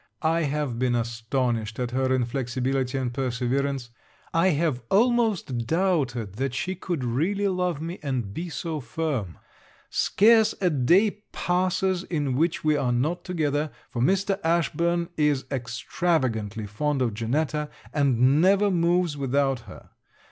I have been astonished at her inflexibility and perseverance. I have almost doubted that she could really love me and be so firm. Scarce a day passes in which we are not together, for Mr. Ashburn is extravagantly fond of Janetta, and never moves without her.